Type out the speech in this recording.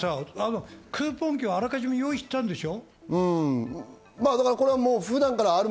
クーポン券をあらかじめ用意してたんでしょ？